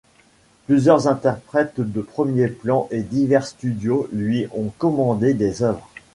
Plusieurs interprètes de premier plan et divers studios lui ont commandé des œuvres.